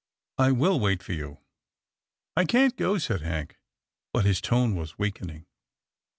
I will wait for you." " I can't go," said Hank, but his tone was weak ening.